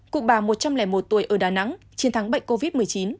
cụ bà một trăm linh một tuổi ở đà nẵng chiến thắng bệnh covid một mươi chín